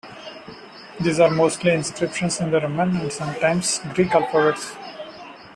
These are mostly inscriptions in the Roman and sometimes Greek alphabets.